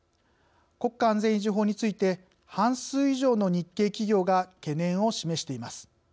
国家安全維持法について半数以上の日系企業が懸念を示しています。